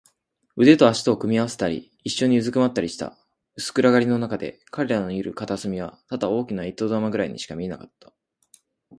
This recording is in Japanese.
腕と脚とを組み合わせたり、いっしょにうずくまったりした。薄暗がりのなかで、彼らのいる片隅はただ大きな糸玉ぐらいにしか見えなかった。